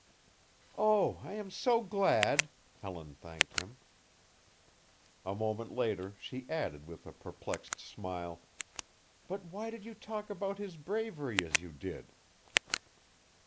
"Oh, I am so glad!" Helen thanked him. A moment later she added with a perplexed smile: "But why did you talk about his bravery as you did?"